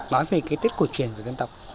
nói về cái tết cổ truyền của dân tộc